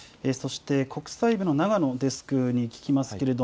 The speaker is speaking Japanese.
国際部の長野デスクに聞きます。